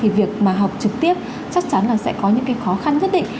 thì việc mà học trực tiếp chắc chắn là sẽ có những cái khó khăn nhất định